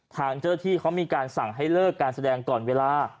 ทางเจ้าหน้าที่เขามีการสั่งให้เลิกการแสดงก่อนเวลา